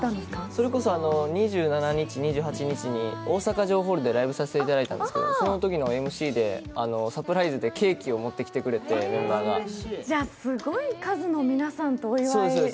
それこそ２７日、２８日に大阪城ホールでライブさせていただいたんですけどそのときのＭＣでサプライズでケーキをメンバーが持ってきてくれてすごい数の皆さんとお祝いしたんですね。